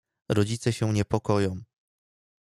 Rodzice się niepokoją.